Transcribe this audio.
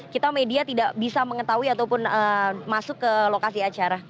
kita media tidak bisa mengetahui ataupun masuk ke lokasi acara